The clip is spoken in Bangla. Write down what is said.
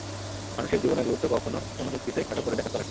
মানুষের জীবনের গুরুত্ব কখনো কোনো যুক্তিতেই খাটো করে দেখা চলে না।